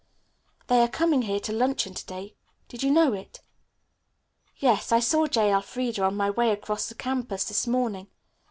"They are coming here to luncheon to day. Did you know it?" "Yes, I saw J. Elfreda on my way across the campus this morning.